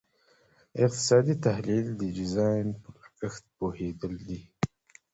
اقتصادي تحلیل د ډیزاین په لګښت پوهیدل دي.